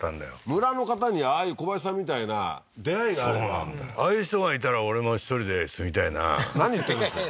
村の方にああいう小林さんみたいな出会いがあればそうなんだよああいう人がいたら俺も１人で住みたいな何言ってるんですか